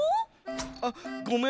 あっごめん。